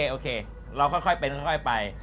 โอเคเราค่อยไป